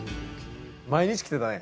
毎日来てたね。